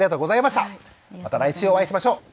また来週お会いしましょう。